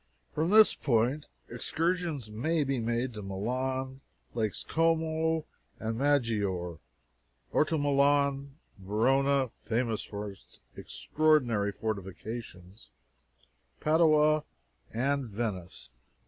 From this point, excursions may be made to Milan, Lakes Como and Maggiore, or to Milan, Verona (famous for its extraordinary fortifications), Padua, and Venice.